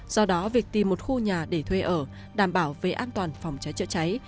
do đó việc tìm một khu nhà để thuê ở đảm bảo về an toàn phòng cháy chữa cháy